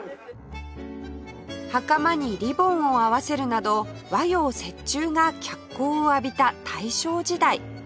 袴にリボンを合わせるなど和洋折衷が脚光を浴びた大正時代